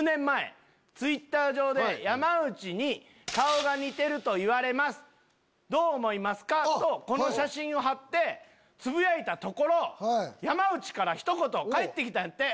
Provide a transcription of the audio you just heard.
Ｔｗｉｔｔｅｒ上で山内に顔が似てると言われますどう思いますか？とこの写真を貼ってつぶやいたところ山内からひと言返って来たって。